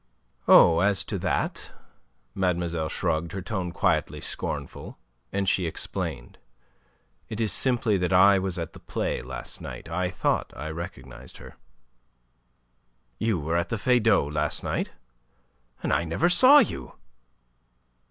"Oh, as to that..." mademoiselle shrugged, her tone quietly scornful. And she explained. "It is simply that I was at the play last night. I thought I recognized her." "You were at the Feydau last night? And I never saw you!"